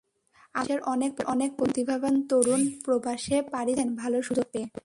আমাদের দেশের অনেক প্রতিভাবান তরুণ প্রবাসে পাড়ি জমাচ্ছেন ভালো সুযোগ পেয়ে।